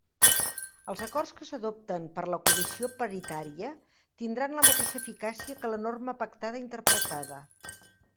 Els acords que s'adopten per la Comissió Paritària tindran la mateixa eficàcia que la norma pactada interpretada.